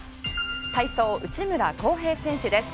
体操、内村航平選手です。